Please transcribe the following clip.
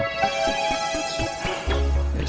saya kembali ke rumah